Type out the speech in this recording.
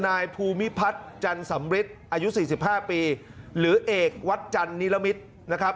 นายภูมิพัฒน์จันสำริทอายุ๔๕ปีหรือเอกวัดจันนิรมิตรนะครับ